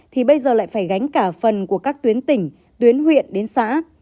thì bây giờ lại phải gánh cả phần của các tuyến tỉnh tuyến huyện đến xã